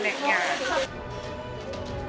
nenek dan cucunya